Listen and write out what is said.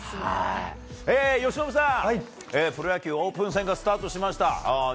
由伸さん、プロ野球オープン戦がスタートしました。